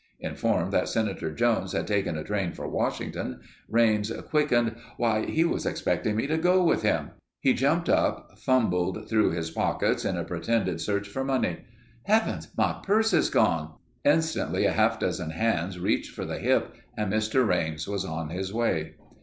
Informed that Senator Jones had taken a train for Washington, Raines quickened "Why, he was expecting me to go with him...." He jumped up, fumbled through his pockets in a pretended search for money. "Heavens—my purse is gone!" Instantly a half dozen hands reached for the hip and Mr. Raines was on his way.